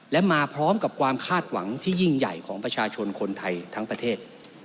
และมาพร้อมกับความคาดหวังที่ยิ่งใหญ่ของประชาชนคนไทยทั้งประเทศ